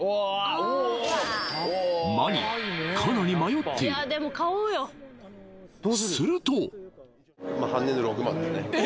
マニアかなり迷っているすると・